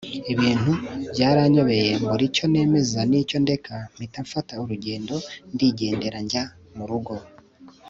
ibintu byaranyobeye mbura icyo nemeza nicyo ndeka mpita mfata urugendo ndigendera njya murugo